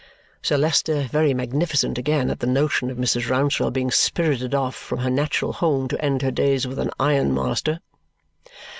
Sir Leicester very magnificent again at the notion of Mrs. Rouncewell being spirited off from her natural home to end her days with an ironmaster.